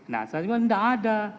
nah saya bilang enggak ada